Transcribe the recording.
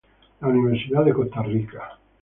La Universidad de Costa Rica.